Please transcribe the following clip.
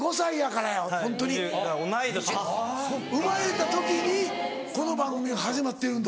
生まれた時にこの番組が始まってるんだ。